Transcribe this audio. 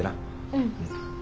うん。